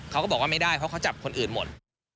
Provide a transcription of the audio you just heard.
เขาก็บอกว่าไม่ได้เพราะเขาจับคนอื่นหมด